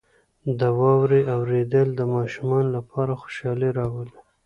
• د واورې اورېدل د ماشومانو لپاره خوشحالي راولي.